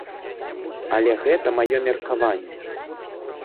Але гэта маё меркаванне.